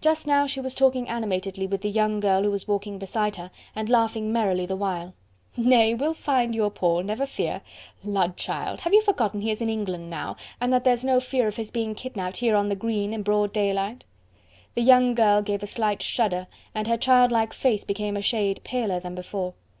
Just now she was talking animatedly with the young girl who was walking beside her, and laughing merrily the while: "Nay! we'll find your Paul, never fear! Lud! child, have you forgotten he is in England now, and that there's no fear of his being kidnapped here on the green in broad daylight." The young girl gave a slight shudder and her child like face became a shade paler than before.